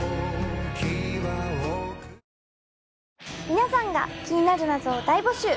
皆さんが気になる謎を大募集。